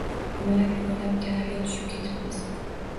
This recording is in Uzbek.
Yumalab-yumalab kanalga tushib ketibmiz